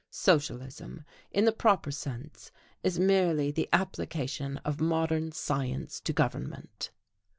Socialism, in the proper sense, is merely the application of modern science to government."